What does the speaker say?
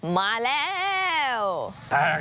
มาแล้ว